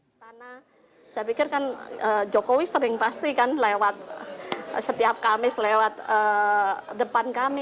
saya pikir kan jokowi sering pasti kan lewat setiap kamis lewat depan kami